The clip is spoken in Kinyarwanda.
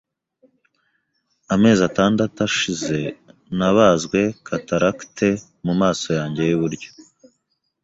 Amezi atandatu ashize nabazwe cataracte mumaso yanjye yiburyo .